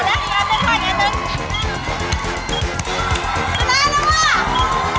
ชนะแล้ว